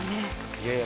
いやいや。